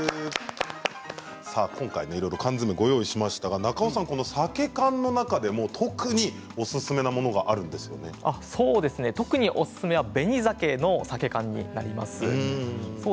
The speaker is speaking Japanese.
今回いろいろ缶詰を用意しましたが、中尾さんサケ缶の中でも、特に特におすすめはベニザケのサケ缶になります。